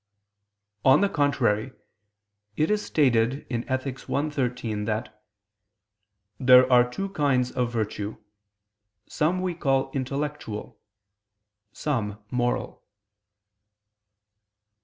On the contrary, It is stated in Ethic. i, 13 that "there are two kinds of virtue: some we call intellectual; some moral."